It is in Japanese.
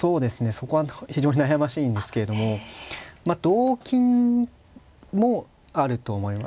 そこは非常に悩ましいんですけれども同金もあると思いますね。